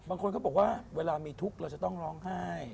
บางคนเขาบอกว่าเวลามีทุกข์เราจะต้องร้องไห้